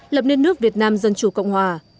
lập nên nước việt nam dân chủ cộng hòa